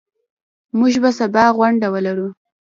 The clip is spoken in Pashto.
موږ به سبا غونډه ولرو.